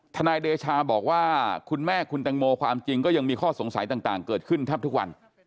นายเดชาบอกว่าคุณแม่คุณแตงโมความจริงก็ยังมีข้อสงสัยต่างเกิดขึ้นแทบทุกวัน